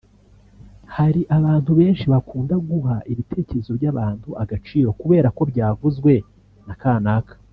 Hari abantu benshi bakunda guha ibitekerezo by’abantu agaciro kubera ko byavuzwe na kanaka